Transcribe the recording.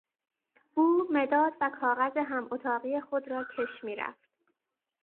او مداد و کاغذ هم اتاقی خود را کش میرفت.